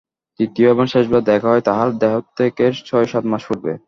তৃতীয় এবং শেষবার দেখা হয় তাঁহার দেহত্যাগের ছয়-সাত মাস পূর্বে।